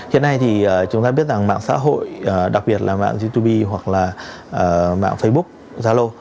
hiện nay thì chúng ta biết rằng mạng xã hội đặc biệt là mạng youtube hoặc là mạng facebook zalo